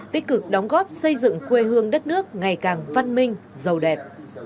tích cực đóng góp xây dựng quê hương đất nước ngày càng văn minh giàu đẹp